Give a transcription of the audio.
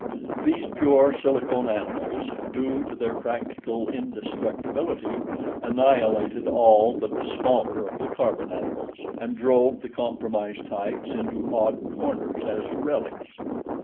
These pure silicone animals, due to their practical indestructibility, annihilated all but the smaller of the carbon animals, and drove the compromise types into odd corners as relics.